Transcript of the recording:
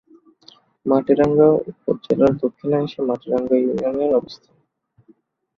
মাটিরাঙ্গা উপজেলার দক্ষিণাংশে মাটিরাঙ্গা ইউনিয়নের অবস্থান।